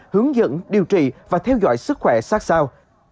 hướng dẫn điều trị và theo dõi sức khỏe sát sao